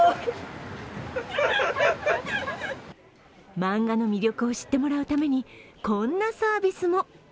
漫画の魅力を知ってもらうために、こんなサービスも。